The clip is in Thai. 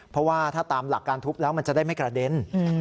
เพราะว่าถ้าตามหลักการทุบแล้วมันจะได้ไม่กระเด็น